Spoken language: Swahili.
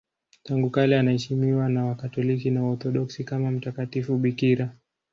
Tangu kale anaheshimiwa na Wakatoliki na Waorthodoksi kama mtakatifu bikira.